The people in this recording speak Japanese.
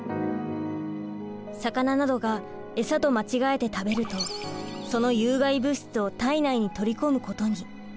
魚などが餌と間違えて食べるとその有害物質を体内に取り込むことに。